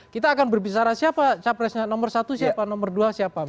kita akan berbicara siapa capresnya nomor satu siapa nomor dua siapa